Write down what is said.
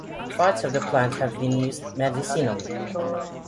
Parts of the plant have been used medicinally.